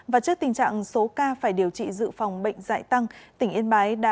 và trước tình trạng số ca phải điều trị dự phòng bệnh dạy tăng tỉnh yên bái đã